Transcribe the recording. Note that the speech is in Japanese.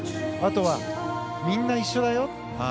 あとはみんな一緒だよ